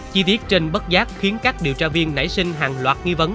chi tiết trên bất giác khiến các điều tra viên nảy sinh hàng loạt nghi vấn